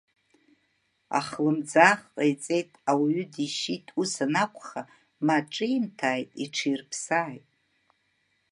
Ахымӡаах ҟаиҵеит, ауаҩы дишьит, ус анакәха, ма ҿимҭааит, иҽирԥсааит…